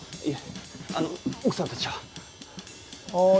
いえあの奥さんたちは？